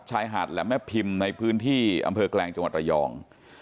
ชายหาดและแม่พิมพ์ในพื้นที่อำเภอแกลงจังหวัดระยอง